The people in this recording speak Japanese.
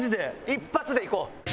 一発でいこう。